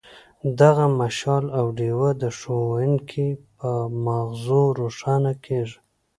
دغه مشال او ډیوه د ښوونکي په مازغو روښانه کیږي.